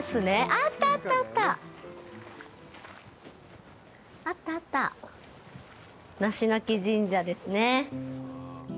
あったあった、梨木神社ですね。